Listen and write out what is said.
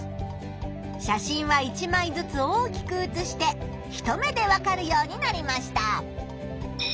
写真は１まいずつ大きくうつして一目でわかるようになりました。